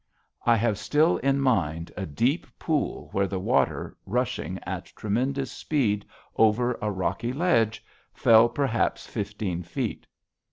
I have still in mind a deep pool where the water, rushing at tremendous speed over a rocky ledge, fell perhaps fifteen feet.